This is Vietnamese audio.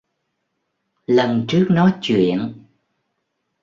Lần trước nó chuyện